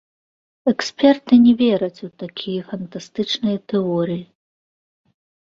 Эксперты не вераць у такія фантастычныя тэорыі.